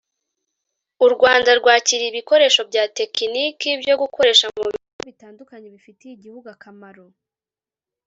u Rwanda rwakiriye ibikoresho bya tekiniki byo gukoresha mu bikorwa bitandukanye bifitiye igihugu akamaro